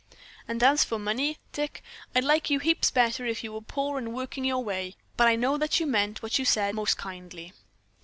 And as for money, Dick, I'd like you heaps better if you were poor and working your way, but I know that you meant what you said most kindly.